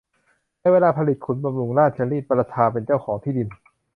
ในเวลาผลิตขุนบำรุงราชรีดประชาเป็นเจ้าของที่ดิน